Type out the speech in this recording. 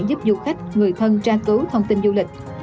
giúp du khách người thân tra cứu thông tin du lịch